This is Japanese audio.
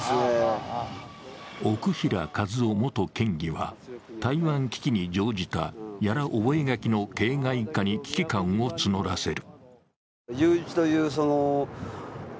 奥平一夫元県議は台湾危機に乗じた屋良覚書の形骸化に危機感を募らせる。